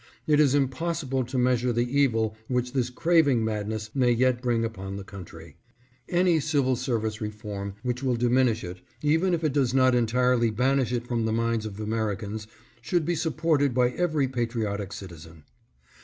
It is impossible to measure the evil which this craving madness may yet bring upon the country. Any civil service reform which will diminish it, even if it does not entirely banish it from the minds of Ameri cans, should be supported by every patriotic citizen.